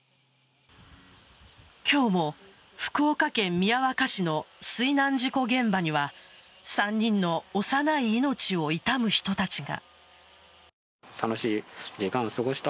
今日も福岡県宮若市の水難事故現場には３人の幼い命を悼む人たちが。